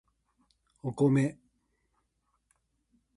お米